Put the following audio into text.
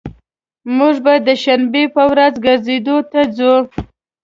موږ به د شنبي په ورځ ګرځیدو ته ځو